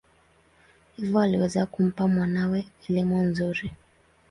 Hivyo aliweza kumpa mwanawe elimu nzuri.